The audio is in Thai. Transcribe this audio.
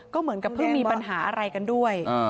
ก็เหมือนกับเพิ่งมีปัญหาอะไรกันด้วย